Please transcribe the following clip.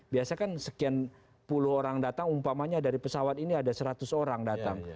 biasa kan sekian puluh orang datang umpamanya dari pesawat ini ada seratus orang datang